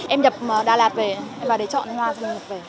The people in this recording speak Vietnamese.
em nhập đà lạt về em vào để chọn hoa thì nhập về